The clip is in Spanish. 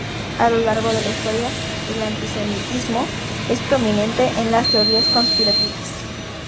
A lo largo de la historia, el antisemitismo es prominente en las teorías conspirativas.